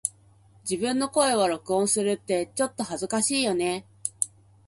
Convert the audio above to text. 自分の声を録音するってちょっと恥ずかしいよね🫣